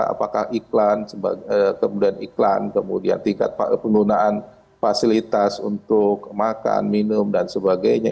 apakah iklan kemudian iklan kemudian tingkat penggunaan fasilitas untuk makan minum dan sebagainya